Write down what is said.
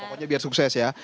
pokoknya biar sukses ya